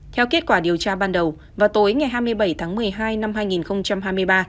theo kết quả điều tra ban đầu vào tối ngày hai mươi bảy tháng một mươi hai năm hai nghìn hai mươi ba